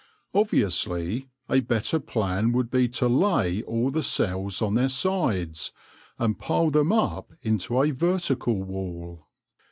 Obviously, a better plan would be to lay all the cells on their sides, and pile them up into a vertical wall.